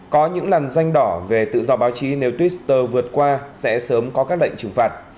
có những lần danh đỏ về tự do báo chí nếu twitter vượt qua sẽ sớm có các lệnh trừng phạt